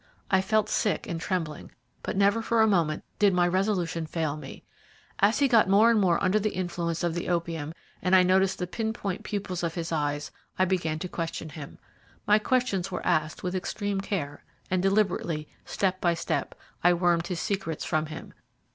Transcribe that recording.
I felt sick and trembling, but never for a moment did my resolution fail me. As he got more and more under the influence of the opium, and I noticed the pin point pupils of his eyes, I began to question him. My questions were asked with extreme care, and deliberately, step by step, I wormed his secrets from him.